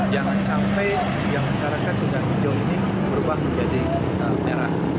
jangan sampai yang masyarakat sudah hijau ini berubah menjadi merah